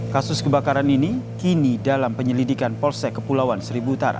kasus kebakaran ini kini dalam penyelidikan polsek kepulauan seribu utara